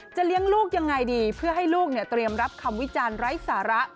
เลี้ยงลูกยังไงดีเพื่อให้ลูกเตรียมรับคำวิจารณ์ไร้สาระ